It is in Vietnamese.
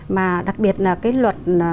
mà đặc biệt là luật